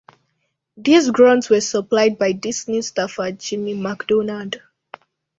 These grunts were supplied by Disney staffer Jimmy MacDonald.